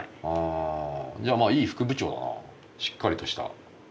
ああじゃあまあいい副部長だなしっかりとした。